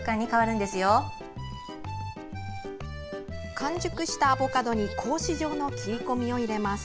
完熟したアボカドに格子状の切り込みを入れます。